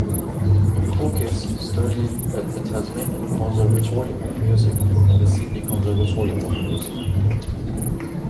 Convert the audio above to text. Koukias studied at the Tasmanian Conservatorium of Music and the Sydney Conservatorium of Music.